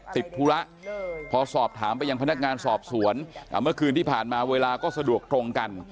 ธุระพอสอบถามไปยังพนักงานสอบสวนเมื่อคืนที่ผ่านมาเวลาก็สะดวกตรงกัน